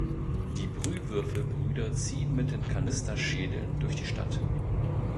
Die Brühwürfelbrüder ziehen mit den Kanisterschädeln durch die Stadt.